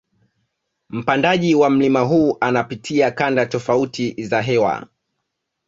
Mpandaji wa mlima huu anapitia kanda tofati za hewa